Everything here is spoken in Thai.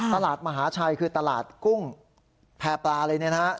ตลาดมหาชัยคือตลาดกุ้งแพร่ปลาเลยนะครับ